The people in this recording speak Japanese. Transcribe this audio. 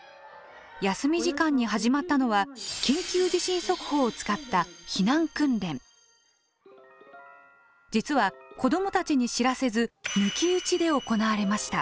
休み時間に始まったのは実は子どもたちに知らせず抜き打ちで行われました。